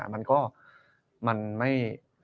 มันก็มันไม่